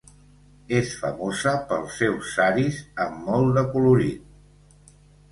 És famosa pels seus saris amb molt de colorit.